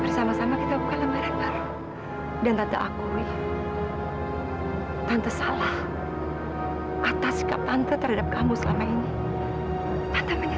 sampai jumpa di video selanjutnya